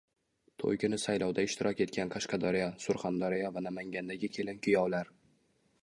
To‘y kuni saylovda ishtirok etgan Qashqadaryo, Surxondaryo va Namangandagi kelin-kuyovlar